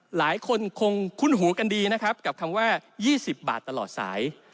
หลายคนคงคุ้นหูกันดีนะครับกับคำว่า๒๐บาทตลอดสาย